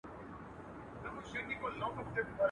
مرور نصیب به هله ورپخلا سي.